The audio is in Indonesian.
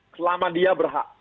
selama dia berhak